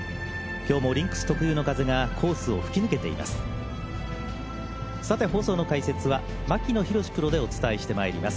今日もリンクス特有の風がコースを吹き抜けています。